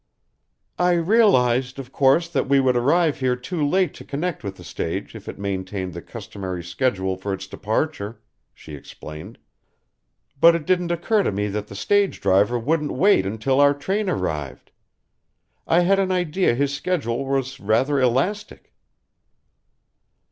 "I realized, of course, that we would arrive here too late to connect with the stage if it maintained the customary schedule for its departure," she explained, "but it didn't occur to me that the stage driver wouldn't wait until our train arrived. I had an idea his schedule was rather elastic."